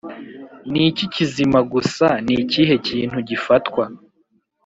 niki kizima gusa, nikihe kintu gifatwa,